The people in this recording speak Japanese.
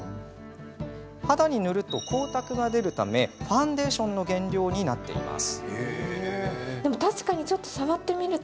肌に塗ると光沢が出るためファンデーションの原料になっています。